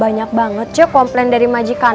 banyak banget yuk komplain dari majikan